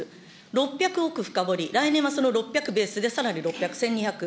６００億深掘り、来年はその６００ベースでさらに６００、１２００。